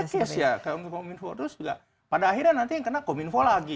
nggak ada case ya kominfo terus juga pada akhirnya nanti kena kominfo lagi